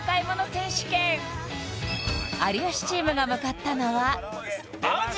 選手権有吉チームが向かったのはアジ？